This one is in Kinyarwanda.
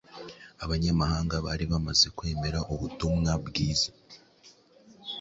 Abanyamahanga bari bamaze kwemera ubutumwa bwiza